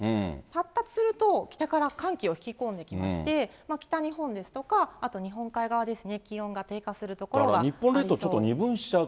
発達すると、北から寒気を引き込んできまして、北日本ですとか、あと日本海側ですね、日本列島、ちょっと二分しちゃう。